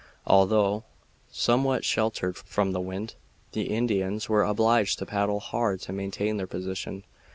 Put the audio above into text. Although somewhat sheltered from the wind, the Indians were obliged to paddle hard to maintain their position.